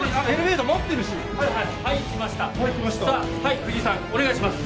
藤井さん、お願いします。